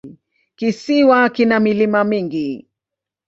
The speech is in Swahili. Kisiwa kina milima mingi.